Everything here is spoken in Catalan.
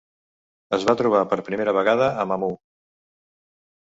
Es va trobar per primera vegada a Mamou.